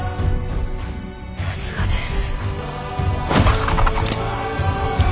さすがです。